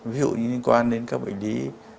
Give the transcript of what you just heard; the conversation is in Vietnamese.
ví dụ như liên quan đến các bệnh lý